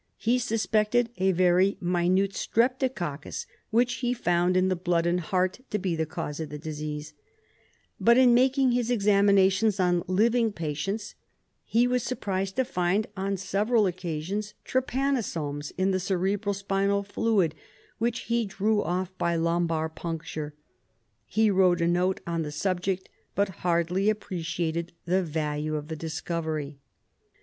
Pie suspected a very minute streptococcus , which he found in the blood and heart, to be the cause of the disease, but in making his examinations on living patients he was surprised to find, on several occasions, trypanosomes in the cerebro spinal fluid, which he drew off by lumbar puncture. He wrote a note on the subject, but hardly appreciated the value of the discovery.